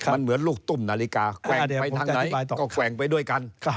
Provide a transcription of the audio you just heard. มันเหมือนลูกตุ้มนาฬิกาแกว่งไปทางไหนก็แกว่งไปด้วยกัน